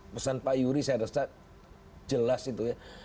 pesan pak yuri saya rasa jelas itu ya